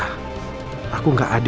aku gak adil kalau gak bilang sama andin